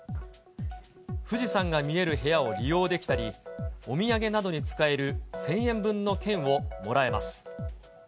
富士山が見える部屋を利用できたり、お土産などに使える１０００円分の券をもらえます。